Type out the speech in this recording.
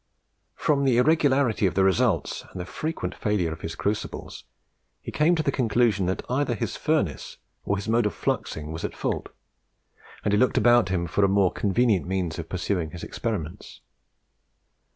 From the irregularity of the results, and the frequent failure of the crucibles, he came to the conclusion that either his furnace, or his mode of fluxing, was in fault, and he looked about him for a more convenient means of pursuing his experiments.